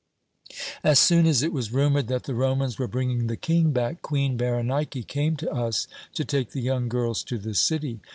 "As soon as it was rumoured that the Romans were bringing the King back, Queen Berenike came to us to take the young girls to the city.